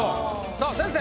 さあ先生。